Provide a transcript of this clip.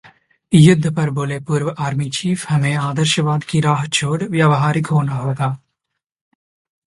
युद्ध पर बोले पूर्व आर्मी चीफ- हमें आदर्शवाद की राह छोड़ व्यावहारिक होना होगा